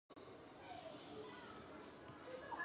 圣方济各保拉堂。